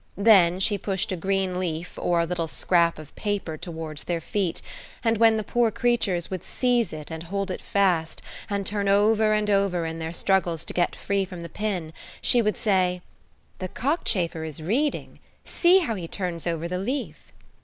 Then she pushed a green leaf, or a little scrap of paper towards their feet, and when the poor creatures would seize it and hold it fast, and turn over and over in their struggles to get free from the pin, she would say, "The cockchafer is reading; see how he turns over the leaf."